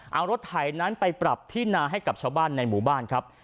เอารถไถนั้นไปปรับที่นาให้กับชาวบ้านในหมู่บ้านครับ